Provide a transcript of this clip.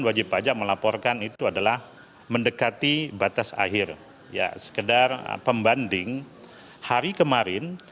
wajib pajak melaporkan itu adalah mendekati batas akhir ya sekedar pembanding hari kemarin